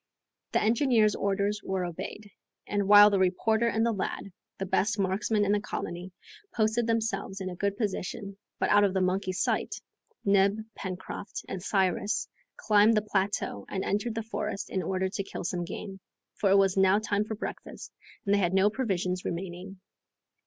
The engineer's orders were obeyed, and while the reporter and the lad, the best marksmen in the colony, posted themselves in a good position, but out of the monkeys' sight, Neb, Pencroft, and Cyrus climbed the plateau and entered the forest in order to kill some game, for it was now time for breakfast and they had no provisions remaining.